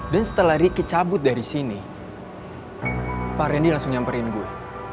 dan setelah ricky cabut dari sini pak randy langsung nyamperin gue